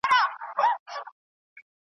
چې جانان پکښې اوسیږي